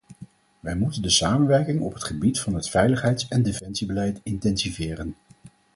Wij moeten de samenwerking op het gebied van het veiligheids- en defensiebeleid intensiveren.